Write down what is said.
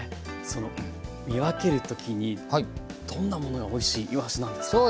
その見分ける時にどんなものがおいしいいわしなんですか？